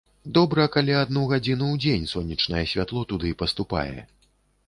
Добра, калі адну гадзіну ў дзень сонечнае святло туды паступае.